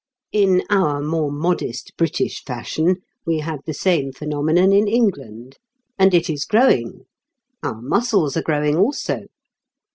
In our more modest British fashion, we have the same phenomenon in England. And it is growing. Our muscles are growing also.